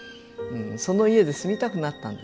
その家で住みたくなったんです。